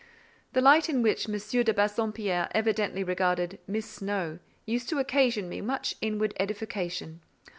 The light in which M. de Bassompierre evidently regarded "Miss Snowe," used to occasion me much inward edification.